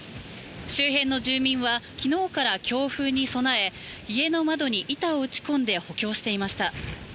周辺の住民は昨日から強風に備え家の窓に板を打ち込んで補強していました。